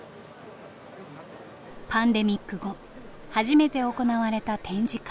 パンデミック後初めて行われた展示会。